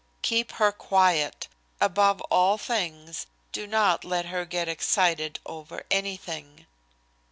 "Keep her quiet. Above all things, do not let her get excited over anything."